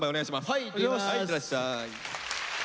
はいいってらっしゃい。